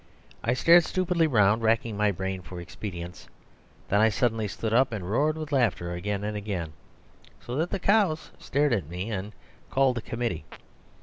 I stared stupidly round, racking my brain for expedients. Then I suddenly stood up and roared with laughter, again and again, so that the cows stared at me and called a committee.